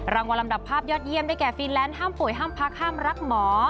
รางวัลลำดับภาพยอดเยี่ยมได้แก่ฟีแลนซ์ห้ามป่วยห้ามพักห้ามรักหมอ